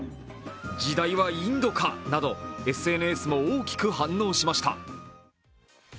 時代はインドか、などＳＮＳも大きく反応しました。